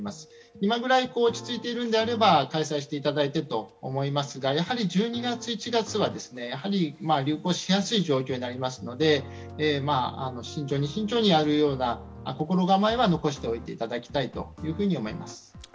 今ぐらい落ち着いているのであれば開催していただいてと思いますが１２月、１月は流行しやすい状況になりますので慎重に、慎重にやるような心構えは残していただきたいと思います。